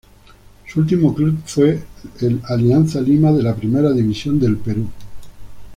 Su último club fue el Alianza Lima de la Primera División del Perú.